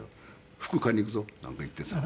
「服買いに行くぞ」なんか言ってさ。